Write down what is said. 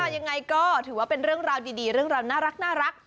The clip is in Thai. ยังไงก็ถือว่าเป็นเรื่องราวดีเรื่องราวน่ารัก